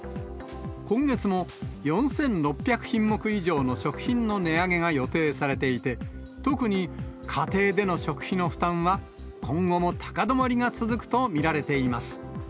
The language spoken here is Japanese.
今月も４６００品目以上の食品の値上げが予定されていて、特に家庭での食費の負担は、今後も高止まりが続くと見られています。